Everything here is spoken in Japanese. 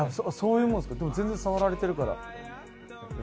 そういうもんすかでも全然触られてるから。